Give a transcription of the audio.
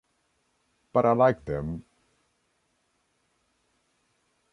but I liked them